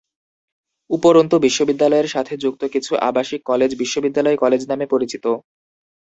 উপরন্তু, বিশ্ববিদ্যালয়ের সাথে যুক্ত কিছু আবাসিক কলেজ "বিশ্ববিদ্যালয় কলেজ" নামে পরিচিত।